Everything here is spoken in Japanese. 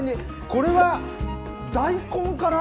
これは、大根かな？